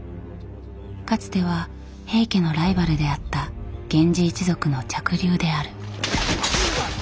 かつては平家のライバルであった源氏一族の嫡流である。